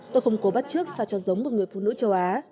tôi không cố bắt trước sao cho giống một người phụ nữ châu á